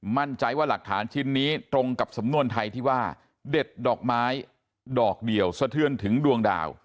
มั่นใจว่าหลักฐานชิ้นนี้ตรงกับสำนวนไทยที่ว่าเด็ดดอกไม้ดอกเดียวสะเทือนถึงดวงดาว